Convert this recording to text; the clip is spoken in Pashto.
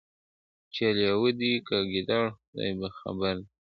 چي لېوه دی که ګیدړ خدای په خبر دی !.